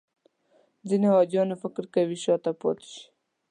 ځینې حاجیان فکر کوي شاته پاتې شي.